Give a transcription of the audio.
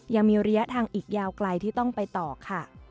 ยังมีระยะทางอีกยาวไกลที่ต้องไปต่อค่ะ